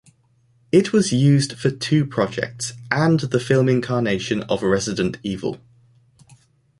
It was used for two projects, and the film incarnation of Resident Evil.